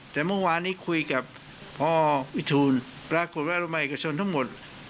แต่เมื่อวานนี้คุยกับพวิทูลปรากฏแวรมัยกระชนทั้งหมด